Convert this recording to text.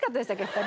２人。